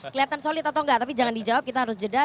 kelihatan solid atau enggak tapi jangan dijawab kita harus jeda